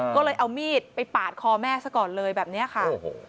ก็เลยเอามีดไปปาดคอแม่ซะก่อนเลยแบบนี้ค่ะ